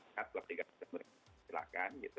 ada klub di gatot silakan gitu